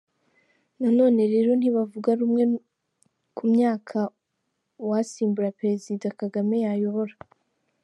Na none ariko, ntibavuga rumwe ku myaka uwasimbura Perezida Kagame yayobora.